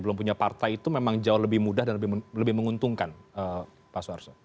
belum punya partai itu memang jauh lebih mudah dan lebih menguntungkan pak suarso